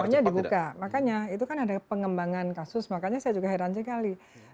semuanya dibuka makanya itu kan ada pengembangan kasus makanya saya juga heran sekali